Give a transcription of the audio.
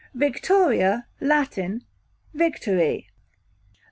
Victoria, Latin, victory.